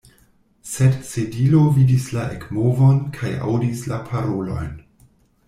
Sed Sedilo vidis la ekmovon kaj aŭdis la parolojn.